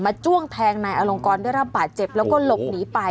จ้วงแทงนายอลงกรได้รับบาดเจ็บแล้วก็หลบหนีไป